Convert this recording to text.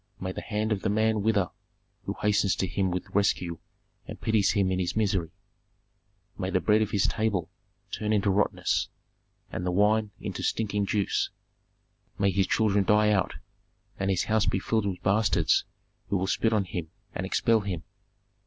May the hand of the man wither who hastens to him with rescue and pities him in his misery! May the bread on his table turn into rottenness, and the wine into stinking juice! May his children die out, and his house be filled with bastards who will spit on him and expel him!